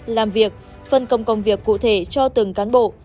làm việc phân công công việc cụ thể cho từng cán bộ